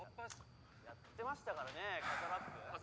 やってましたからねカザラップ。